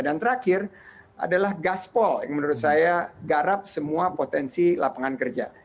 dan terakhir adalah gaspol yang menurut saya garap semua potensi lapangan kerja